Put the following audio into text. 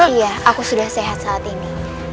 iya aku sudah sehat saat ini